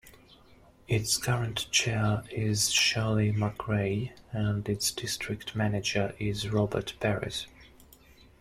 Its current chair is Shirley McRae, and its district manager is Robert Perris.